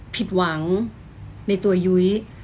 ผิดหวังในตัวยุ้ย